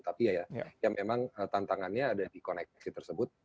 tapi ya ya memang tantangannya ada di koneksi tersebut